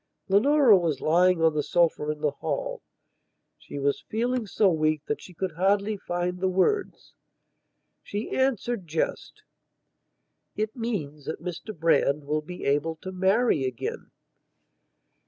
Leonora was lying on the sofa in the hall; she was feeling so weak that she could hardly find the words. She answered just: "It means that Mr Brand will be able to marry again."